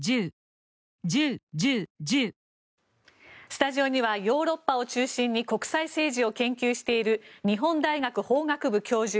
スタジオにはヨーロッパを中心に国際政治を研究している日本大学法学部教授